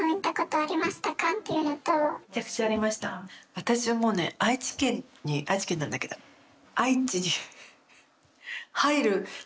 私はもうね愛知県に愛知県なんだけどうん。